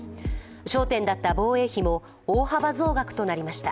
焦点だった防衛費も大幅総額となりました。